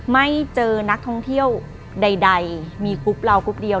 ไม่เจอนักท่องเที่ยวใดมีกรุ๊ปเรากรุ๊ปเดียว